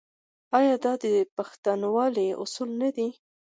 آیا دا د پښتونولۍ اصول نه دي؟